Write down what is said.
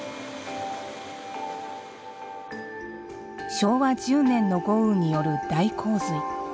昭和１０年の豪雨による大洪水。